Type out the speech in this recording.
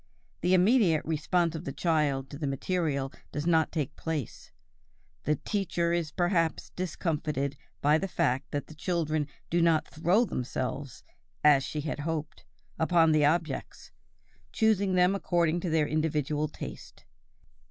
The immediate response of the child to the material does not take place; the teacher is perhaps discomfited by the fact that the children do not throw themselves, as she had hoped, upon the objects, choosing them according to their individual taste.